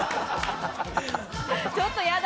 ちょっとやだ！